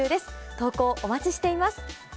投稿、お待ちしています。